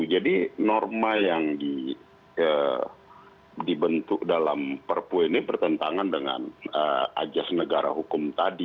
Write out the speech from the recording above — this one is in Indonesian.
jadi norma yang dibentuk dalam perpu ini bertentangan dengan ajas negara hukum tadi